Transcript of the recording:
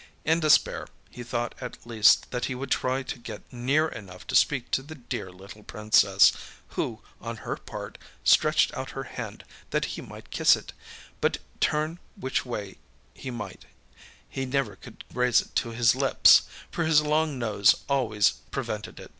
In despair he thought at least that he would try to get near enough to speak to the Dear Little Princess, who, on her part, stretched out her hand that he might kiss it; but turn which way he might, he never could raise it to his lips, for his long nose always prevented it.